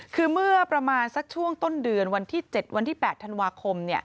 คือเมื่อประมาณสักช่วงต้นเดือนวันที่๗วันที่๘ธันวาคม